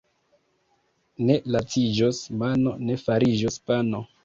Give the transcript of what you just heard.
Ne laciĝos mano, ne fariĝos pano.